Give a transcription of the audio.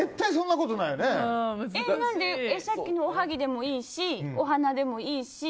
さっきの、おはぎでもいいし、お花でもいいし。